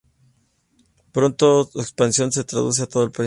Pronto su expansión se traduce a todo el país.